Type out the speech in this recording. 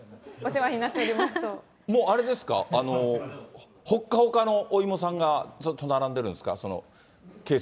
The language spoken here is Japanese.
もうあれですか、ほっかほかのお芋さんがずっと並んでるんですか？